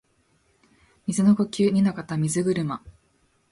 水の呼吸弐ノ型水車（にのかたみずぐるま）